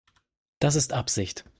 Das ist Absicht.